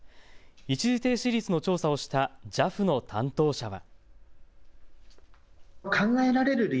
一時停止率の調査をしたＪＡＦの担当者は。